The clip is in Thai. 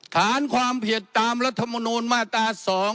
ฐานความผิดตามรัฐมนูลมาตรา๒